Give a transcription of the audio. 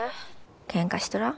ケンカしとらん？